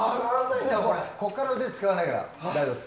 ここから腕は使わないから大丈夫です。